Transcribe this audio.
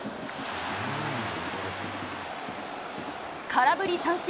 空振り三振。